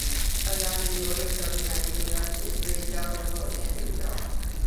颁奖礼有另设最佳女主角及最佳动作片女主角。